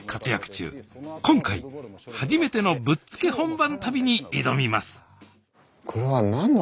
今回初めてのぶっつけ本番旅に挑みます